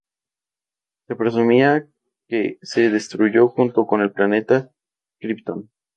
Se presumía que se destruyó junto con el planeta Krypton.